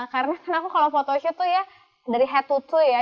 karena kan aku kalau photoshoot tuh ya dari head to toe ya